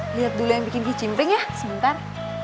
lihat dulu yang bikin kicimpring ya sebentar